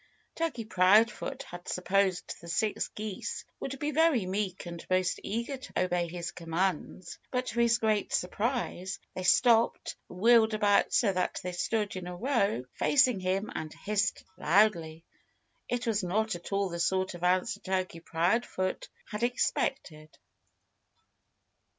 Turkey Proudfoot had supposed the six geese would be very meek and most eager to obey his commands. But to his great surprise they stopped, wheeled about so that they stood in a row, facing him, and hissed loudly. It was not at all the sort of answer Turkey Proudfoot had expected.